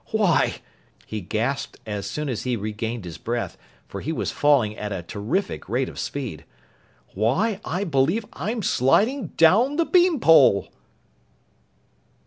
"Why!" he gasped as soon as he regained his breath, for he was falling at a terrific rate of speed, "Why, I believe I'm sliding down the _bean pole!"